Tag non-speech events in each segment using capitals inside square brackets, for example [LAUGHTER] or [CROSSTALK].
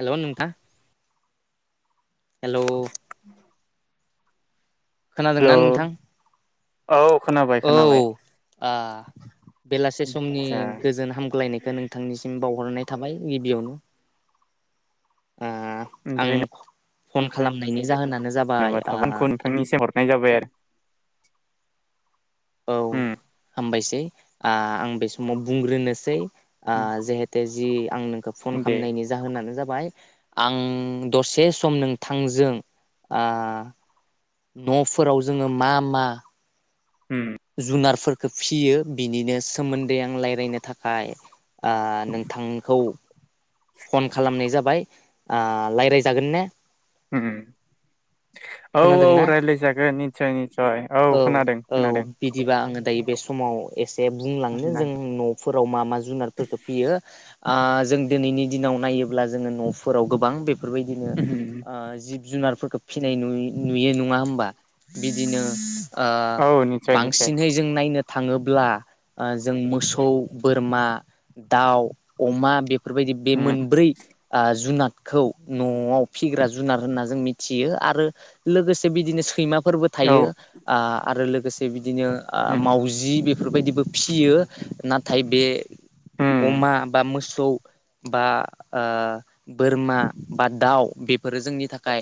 हेल' नोंथां हेल' [INAUDIBLE] हेल' खोनादोंना नोंथां? औ खोनाबाय औ खोनाबाय ओ बेलासे समनि आदसा गोजोन हामग्लायनायखौ नोंथांनिसिम बाउ हरनाय थाबाय गिबियावनो ओ आं फन खालामनायनि जाहोना जेन'बा थाबोनखौ नोंथांनिसि हरनाय जा बाय आरो औ हामबायसै ओ आं बे समाव बुंग्रोनोसै ओ उम जिहेते जि आं नोंखौ फन दे खालामनायनि जाहोनानो जाबाय आं दसे सम नोंथांजों ओ न'फोराव जोङो मा मा उम जुनारफोर खौ फिसियो बिनिनो सोमोन्दै आं रायलायनो थाखाय ओ नोंथांखौ फन खालामनाय जाबाय ओ रायलायजागोन ने? उम औ औ खोनादोंना? रायलायजागोन निस्सय निस्सय औ खोनादों खोनादों। माव एसे से बुंलांनो जों न'फोराव मा मा जुनारफोरखौ फियो। जों दिनैनि दिनाव नायोब्ला जोङो न'फोराव गोबां बे फोरबायदिनो जिब जुनारफोरखौ फिनाय नुयो नुयो नङा होमबा बिदिनो औ निस्सय निस्सय बांसिनहै जों नायनो थाङोब्ला जों मोसौ बोरमा दाउ अमा बे बेफोरबायदि बे मोनब्रै जुनाद। खौ न'आव फिग्रा जुनार होनना जों मिथियो आरो लोगोसे बिदिनो सैमा फोरबो औ थायो आरो गोसे बि बिदिनो मावजि बे बेफोरबायदिबो फियो नाथाय बे अमा बा मोसौ बा बोरमा बा दाउ बे फोरो जोंनि थाखाय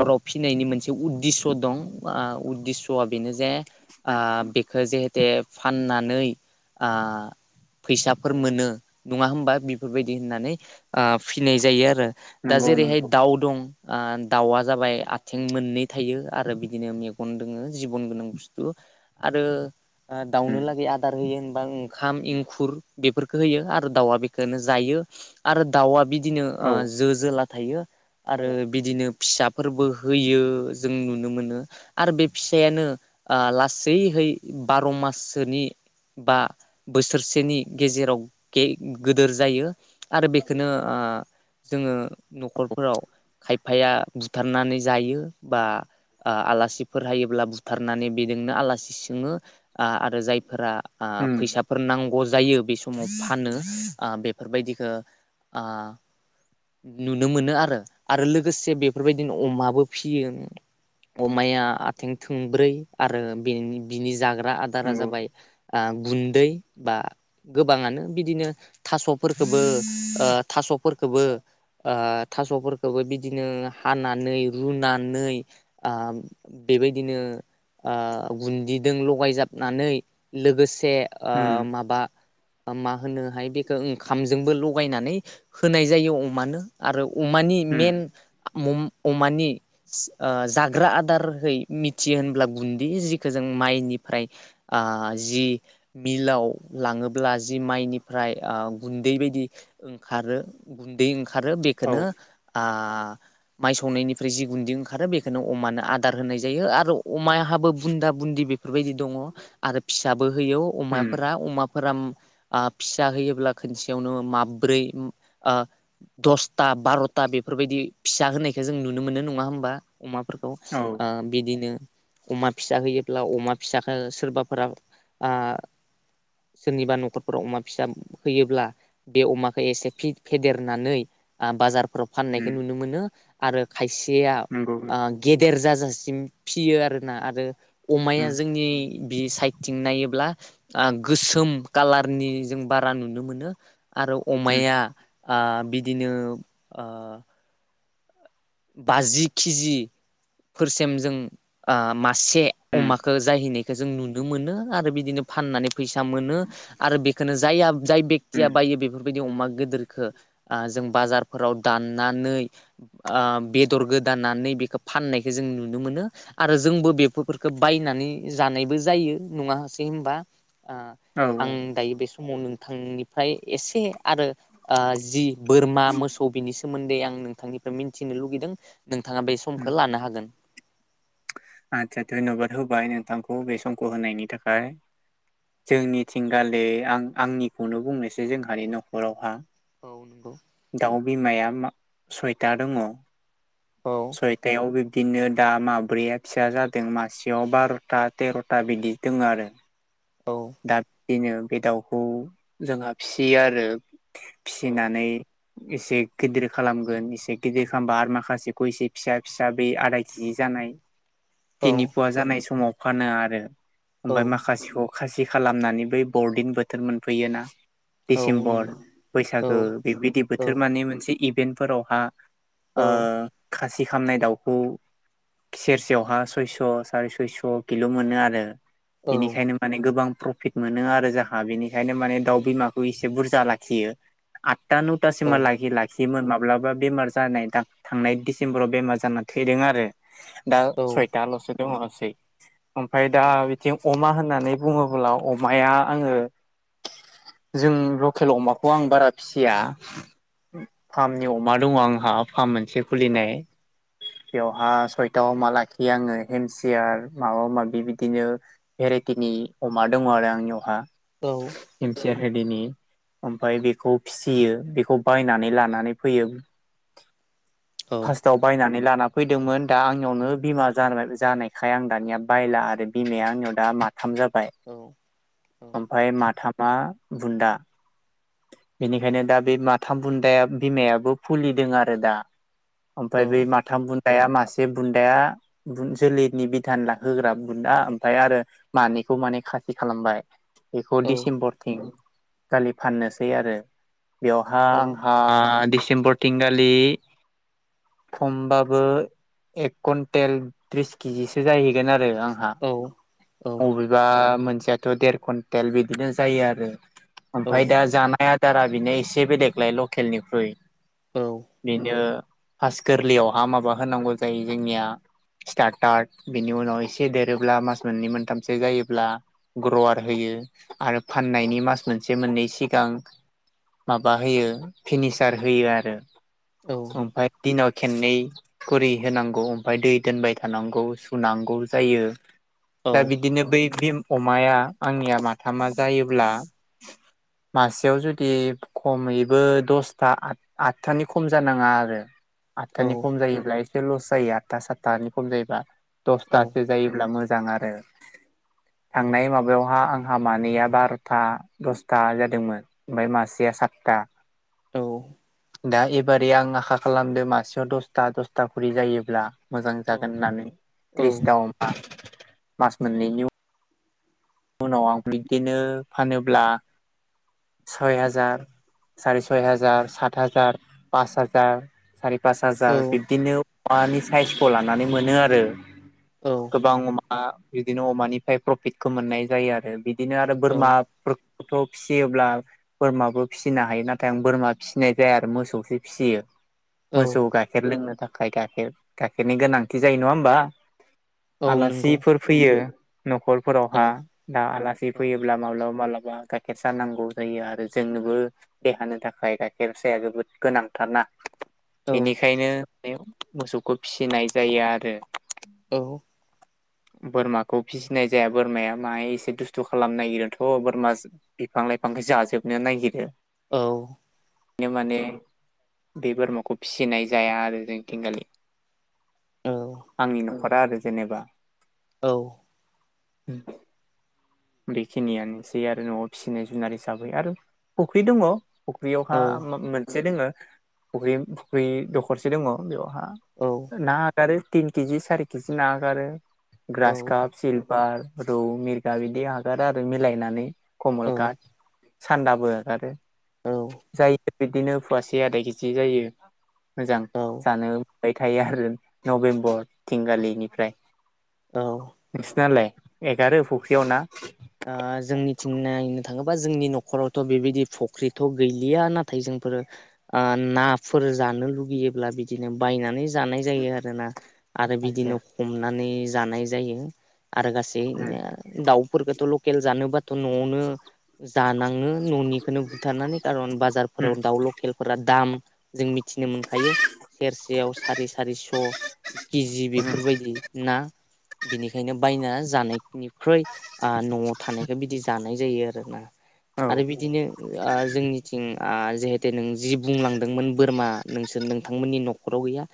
औ फिनायनि मोनसे उदेस' दं उदेस'आ बेनो जे आ बेखो जेहेते फाननानै फैसाफोर मोनो नङा होमबा बेफोरबायदि होननानै। फिनाय जायो आरो दा नंगौ जेरैहाय नंगौ औ दाउ दं दाउआ जाबाय आथिं मोननै थायो आरो बिदिनो मेगन दोङो जिबन गोनां बुस्थु आरो दाउनो नंगौ लागै आदार होयो होन ओंखाम एंखुर बेफोरखौ होयो आरो दाउआ बेखौनो जायो आरो दाउआ बिदि बिदिनो औ जो जोलाख थायो आरो बिदिनो फिसाफोरबो होयो जों नुनो मोनो आरो बे फिसायानो लासैहै बार' माससोनि बा बोसोरसेनि गेजेराव गोदोर जायो आरो बेखौनो जोङो न'खरफोराव खायफाया बुथारनानै जायो बा आलासिफोर हायोब्ला बुथारनानै बेजोंनो आलासि सोंङो आरो जायफोरा औ फैसाफोर नांगौ ब जायो बे समाव फानो बेफोरबायदिखौ नुनो मोनो आरो लोगोसे बेफोरबायदिनो अमा फियो अमाया आंथिं थोंब्रै आरो बिनि जा आदारा नंगौ जाबाय गुन्दै बा गोबाङानो बिदिनो थास'फोरखौबो थास'फोरखौबो थास'फोरखौबो बिदिनो हानानै रुनानै बेबायदिनो गुन्दिदों लगायजाबनानै लोगोसे से ओ माबा मा होनोहाय बेखौ ओंखामजोंबो लगायनानै होनाय जायो अमानो आरो अमानि मेन आ मम-अमानि सि ओ जाग्रा आदारहै मिथियो होनब्ला गुन्दै जिखौ जों माइनिफ्राय ओ जि मिलाव लाङोब्ला जि माइनिफ्राय ओ गुन्दै बायदि ओंखारो गुन्दै ओंखा खारो बेखौनो आ आ माइ सौनायनि फ्राय जि गुदि ओंखारो बेखौनो अमानो आदार होनाय जायो आरो अमायाहाबो बुन्दा बुन्दि बेफोरबायदि दङ आरो फिसाब बो होयो अमाफोरा अमाफोरा आ फिसा होयोब्ला खोनसेयावनो माब्रै ओ दसथा बार'था बेफोरबायदि फिसा होनायखौ जों नु नो मोनो नङा होमबा? अमाफोरखौ ओ बिदिनो अमा फिसा होयोब्ला अमा फिसाखो सोरबाफोरा ओ सोरनिबा न'खरफोराव अमा फिसाब होयोब्ला बे अमाख खै एसे फि-फेदेरनानै ओ बाजारफोराव फाननायखौ नुनो मोनो। आरो खायस सेया ओ गेदेर जाजास फियो आरो ना आरो अमाया जोंनि बि साइद थिं नायोब्ला ओ गोसोम कालारनि जों बारा नुनो मोनो। आरो अमाया ओ बिदिनो ओ बाजि केजि फोरसिम जों ओ मासे अमाखो जाहैनायखो जों नुनो मोनो आरो बिदिनो फाननानै फैसा मोनो आरो बेखौनो जाया जाय बेकतिया बायो बेफोरबायदि अमा गोदोरखो ओ जों बाजारफोराव दाननानै ओ बेदर गोदानानै बेखो फाननायखो जों नुनो मोनो आरो जोंबो बेफोरखौ बायनानै जानायबो जायो नङासै होनबा? ओ आं औ दायो बे समाव न आं नोंनिफ्राय एसे आरो ओ जि बोरमा मोसौ बिनि सोमोन्दै आं नोंथांनि मिथिनो लुगैदों नोंथाङा बे औ समखौ लानो हागोन। आदसा धयन'बाद होबाय नोंथांखौ बे समखौ होनायनि थाखाय जोंनिथिंगालि आं आंनिखौनो बुंनोसै जोंहानि न'खरावहा औ नंगौ। दाव बिमाया सइटा दङ। औ सयतायाव दिनो दा माब्रैआ फिसा जादों मासेयाव बार'था तेर'था बिदि दङ आरो। औ। बेनो बे दाउखौ जोंहा फिसियो आरो। औ। फिसिनानै एसे गिदिर खालामगोन एसे गिदिर खालामबा आरो माखासेखौ इसे फिसा फिसा बे आधा के जि जानाय तिनि औ पुवा जानाय समाव फानो आरो। ओमफाय औ माखासेखौ खासि खालामनानै बै बरदिन बोथोर मोनफैयोना? औ डिसेम्बर नंगौ बैसागो औ बेबिदि बोथोर औ माने मोनसे इ बेन्टफोरावहा ओ औ खासि खामनाय दाउखौ सेरसेयावहा सयस' साराय सयस' किल' मोनो आरो। औ। औ बेनिखायनो गोबां प्रफिट मोनो आरो जाहा बिनि खायनो माने दाउ बिमाखौ इसे बुरजा जा लाखियो आथ था नौथा औ सिमहा औ। लागि लाखि योमोन माब्लाबा बेमार जानाय दां थांनाय डिसेम्बराव बेमार जानानै थैदों आरो। दा औ सयता ल'सो। [UNINTELLIGIBLE] ओमफाय दा औ। बिथिं अमा होन नानै बुङोब्ला अमाया आङो जों लकेल अमाखौ आं बारा फिसिया फार्मनि अमा दङ आंहा फार्म मोनसे खुलिनाय बेवहा सयथा अमा लाखियो आङो हेमसियार माबा माबि बिदिनो भेराइटिनि। अमा दंङ आरो आंनियावहा। औ। रेदिनि ओमफ्राय बेखौ फिसियो बेखौ बायनानै लानानै फैयो। औ फार्स्टआव बायना नै लाना फैदोंमोन दा आंनियावनो बिमा जा-जानायखाय आं दानिया बायला आरो बिमाया आंनियाव दा माथाम जाबाय। औ औ ओमफाय माथाम आ बुन्दा बेनिखायनो दा बे माथाम बुन्दाया बिमायाबो फुलिदों आरो दा। औ ओमफाय बे माथाम बुन दाया मासे बुन्दाया बुन जोलैनि बिधान ला होग्रा बुन्दा ओमफाय आरो मानैखौ माने खासि खालामबाय। इखौ डिसेम्बर थिं खालि फाननोसै आरो। बेवहा‌ औ औ। औ आंहा डिस डिसेम्बर थिंगालि खमबाबो एक कुन्टेल त्रिस केजिसो जाहैगोन आरो आंहा बबेबा मोनसेयाथ' देर कुन्टेल बिदिनो जायो आरो ओमफ्राय दा जानाया दारा बेनो एसे बेलेगलाय लकेलनिख्रुइ बिनो पास गोरलैयावहा माबा होनांगौ जायो जोंनिया स्टार्टार्ट बिनि उनाव एसे देरोब्ला मास मोननै मोनथामसो जायोब्ला ग्रवार होयो आरो फाननायनि मास मोनसे मोननै सिगां माबा होयो फिनिसार होयो आरो। ओमफ्राय दिनाव खेननै खरि होनांगौ ओमफ्राय दै दोनबाय थानांगौ सुनांगौ जायो। दा बिदिनो बै भिम अमाया आंनि आब माथामा जायोब्ला मासेयाव जुदि खमैबो दसथा आठथानि खम जानाङा आरो आदथानि खम जायोब्ला लस जायो आदथा सातानि खम जायोबा। दसथासो जायोब्ला मोजां मोजां आरो थांनाय माबायावहा आंहा मानैया बार'था दसथा जादोंमोन ओमफ्राय मासेया सातथा। औ दा एबारै आं आखा खालामदो मासेयाव दसथा दसथा खरि जायोब्ला मोजां जागोन होननानै त्रिस ता अमा मास मोनैनि उन उनाव आं बिब्दिनो फानोब्ला सय हाजार सारि सय हाजार सात हाजार पास हाजार सारि पास औ हाजार बिब्दिनो मानि साइसखौ लानानै मोनो आरो गोबां अमा बिदिनो अमानिफ्राय प्रफिटखौ मोननाय जायो आरो बि बिदिनो आरो बोरमा खौथ' फिसियोब्ला बोरमाबो फिसिनो हायो नाथाय आं बोरमा फिसिनाय जाया आरो मोसौसो फिसियो। औ मोसौ गायखेर लोंनो थाखाय आखाइ गाखेर गाइखेरनि गोनांथि जायो नङा होमबा। औ नंगौ आलासिफोर फैयो। औ। न'खरफोरावहा आलासि औ फैयोब्ला माव मालाबा मालाबा गाइखेर साहा नांगौ जायो आरो जोंनोबो देहानि थाखाय गाइखेर साहाया जोबोद गोनांथार ना। औ बेनिखायनो मोसौखौ फिसिनाय जायो आरो। औ बोरमाखौ फिसिनाय जाया। बोरमाया माहाय एसे दुस्थु खालामनो नागिरोथ' बोरमा बिफां लाइफांखौ जाजोबनो नागिरो। औ बिनो माने बे बोरमाखौ फिसिनाय जाया आरो जोंथिंखालि। औ फोरा आरो जेनेबा। औ उम बेखिनियानोसै आरो न'आव फिसिनाय जुनार हिसाबै आरो फुख्रि दङ'। फुख्रियाव हा मोन से दङो फख्रि फुख्रि दखरसे दङ बेवहा ना हागारो। तिन केजि सारि केजि नाहागारो। ग्रास कप सिल बार रौ मिरगा बिदि हागार आरो मिलायनानै। कमल औ काद, सान्दाबो होगारो। औ औ। जाय बिदिनो फवासे आदा केजि जायो। मोजां औ जानो। बाय थायो आरो नभेम्बर थिंगालिनिफ्राय। औ नोंसिनालाय? एगारो फुख्रियाव ना? ओ जोंनिथिं नायनो थाङोबा जोंनि न'खरावथ' बेबायदि फख्रिथ' गैलिया नाथाय जोंफोर ओ नाफोर जानो लुगैयोब्ला बिदिनो बायनानै जानाय जायो आरोना। आरो आदसा बिदिनो हमनानै जानाय जायो। आरो गासै दाउ फोरखथ' लकेल जानोबाथ' न'आवनो जानांङो। न'निखौनो बुथारनानै खारन उम बाजारफोराव दाउ लकेलफोरा दाम। जों मिथिनो मोनखायो सेरसेयाव साराय सारिस' केजि उम उम बेफोरबायदि ना? बिनिखायनो बायना जानायनि ख्रुय न'आव थानायखौ बिदि जानाय जायो आरोना। औ आरो बिदिनो ओ जोंनिथिं आ जिहेते नों जि बुंलांदोंमोन बोरमा नोंसोर नोंथांमोननि नखराव गैया।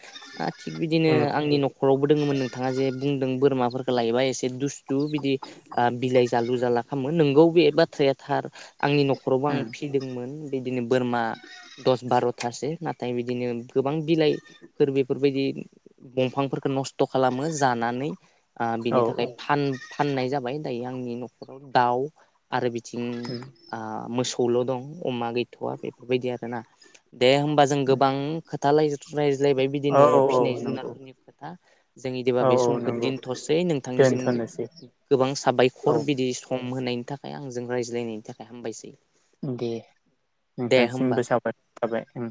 आ थिग बिदिनो उम आंनि नखरावबो दोङोमोन नोंथाङा जे बुंदों बोरमाफोर लायोबा एसे दुस तु बिदि आ बिलाइ जालु जाला खामो नोंगौ बे बाथ्राया थार आंनि नखरावबो आं उम फिदोंमोन। बिदिनो बोरमा दस बारथासो नाथाय बिदिनो गोबां गोबां बिलाइफोर बेफोरबायदि दंफांफोरखौ नस्थ‌‌ खालामो जानानै ओ बिनि औ थाखाय फान फाननाय जाबाय। जायो आंनि नखराव दाउ आरो बि थिं औ आ मोसौ खौल दं अमा गैथवा बेफोरबायदि आरो ना। दे होमबा जों गोबां खोथ लायज्लाय लायबाय बिदि नआव औ फिसिनाय नंगौ जुनारफोरनि खोथा जों इदिबा औ बे औ समखौ नंगौ दिनथसै नोंथांनिसिम दोनथ'नोसै गोबां औ दैखर बिदि स सम होनायनि थाखाय आंजों रायज्लायनायनि थाखाय हामबायसै। दे दे होमबा नोंथांसिमबो साबायखर थाबाय उम।